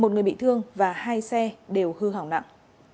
một người bị thương và hai xe đều hư hỏng nặng